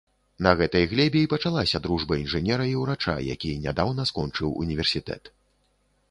На гэтай глебе і пачалася дружба інжынера і ўрача, які нядаўна скончыў універсітэт.